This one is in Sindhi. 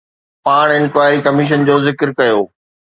پاڻ انڪوائري ڪميشن جو ذڪر ڪيو.